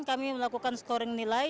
kami melakukan scoring nilai